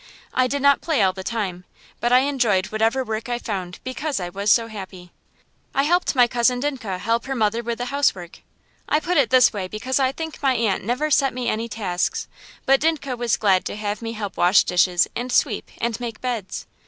I did not play all the time, but I enjoyed whatever work I found because I was so happy. I helped my Cousin Dinke help her mother with the housework. I put it this way because I think my aunt never set me any tasks; but Dinke was glad to have me help wash dishes and sweep and make beds.